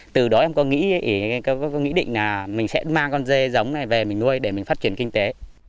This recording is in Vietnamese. từ đó em có nghĩ định là mình sẽ mang con dê giống này về mình nuôi để mình phát triển kinh tế